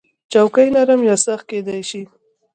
چوکۍ نرم یا سخت کېدای شي.